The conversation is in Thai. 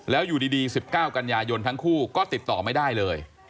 แล้วอยู่ดี๑๙กันยายนทั้งคู่ก็ติดต่อไม่ได้เลย